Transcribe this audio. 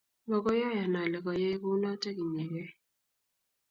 Makoy ayan ale koiyai kounotok inyegei.